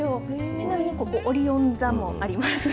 ちなみにここ、オリオン座もあります。